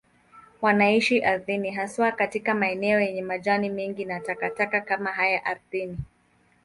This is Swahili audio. Wanaishi ardhini, haswa katika maeneo yenye majani mengi na takataka kama haya ardhini.